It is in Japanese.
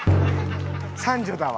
三女だわ。